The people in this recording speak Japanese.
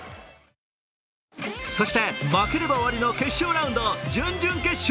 そして負ければ終わりの決勝ラウンド準々決勝。